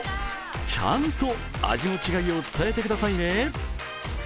ちゃんと味の違いを伝えてくださいね。